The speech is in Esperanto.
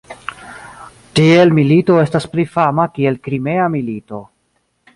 Tiel milito estas pli fama kiel Krimea milito.